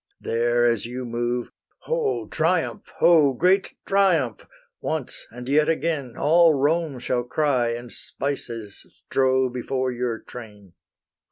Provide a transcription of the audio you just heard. There as you move, "Ho! Triumph, ho! Great Triumph!" once and yet again All Rome shall cry, and spices strow Before your train.